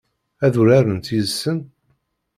Ad urarent yid-sen?